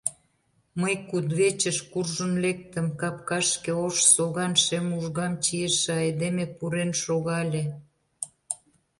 Мый кудывечыш куржын лектым, капкашке ош соган шем ужгам чийыше айдеме пурен шогале.